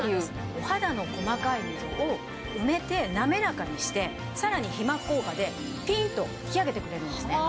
お肌の細かい溝を埋めて滑らかにしてさらに皮膜効果でピンと引き上げてくれるんですね。